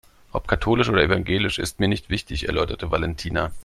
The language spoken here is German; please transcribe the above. Ob katholisch oder evangelisch ist mir nicht wichtig, erläuterte Valentina.